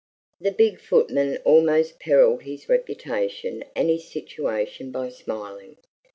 The big footman almost periled his reputation and his situation by smiling.